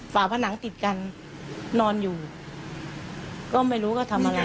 ฝาผนังติดกันนอนอยู่ก็ไม่รู้ว่าทำอะไร